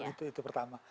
iya betul itu pertama